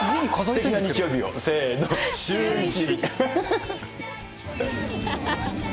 すてきな日曜日を、せーの、シューイチ。